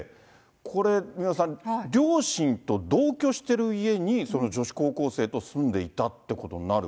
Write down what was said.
これ、三輪さん、両親と同居してる家に、女子高校生と住んでいたっていうことになる？